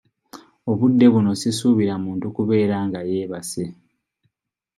Obudde buno sisuubira muntu kubeera nga yeebase.